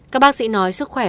các bác sĩ nói sức khỏe